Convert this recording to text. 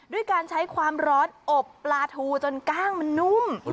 ด้วยการใช้ความร้อนอบปลาทูจนกล้างมันนุ่ม